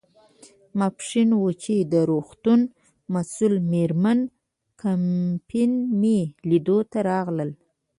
ماپیښین و، چې د روغتون مسؤله مېرمن کمپن مې لیدو ته راغلل.